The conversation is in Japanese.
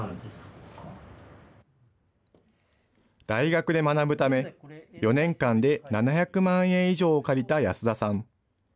大学で学ぶため、４年間で７００万円以上を借りた安田さん。